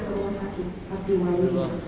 ke rumah sakit abdiwaluyo